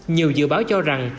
nhiều dự báo cho rằng